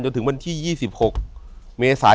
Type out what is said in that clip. อยู่ที่แม่ศรีวิรัยิลครับ